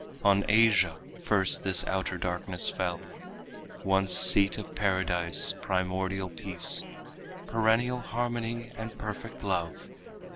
On Asia first this outer darkness fell, Once seat of paradise, primordial peace, Perennial harmony and perfect love.